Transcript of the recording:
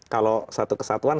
kalau satu kesatuan